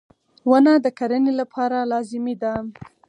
• ونه د کرنې لپاره لازمي ده.